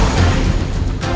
yang sudah berbagi